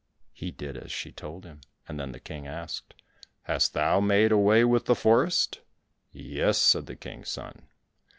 He did as she told him, and then the King asked, "Hast thou made away with the forest?" "Yes," said the King's son.